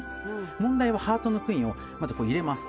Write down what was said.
問題はハートのクイーンをまず入れます。